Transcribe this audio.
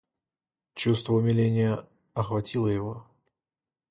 Чувство умиления охватило его.